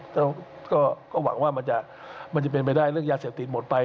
แล้วก็หวังว่ามันจะเป็นไปได้เรื่องยาเสพติดหมดไป